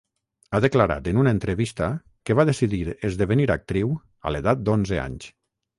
Ha declarat en una entrevista que va decidir esdevenir actriu a l'edat d'onze anys.